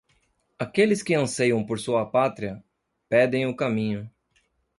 Aqueles que anseiam por sua pátria, pedem o caminho.